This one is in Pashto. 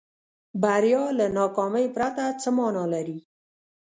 بریا له ناکامۍ پرته څه معنا لري.